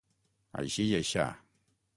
Així i aixà.